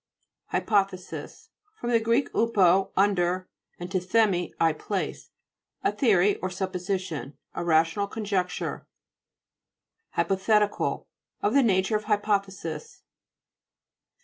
HYPO'THESIS fr. gr. upo, under, tithemi, I place. A theory, or sup position. A rational conjecture. HYPO'THETICAL Of the nature of hypothesis.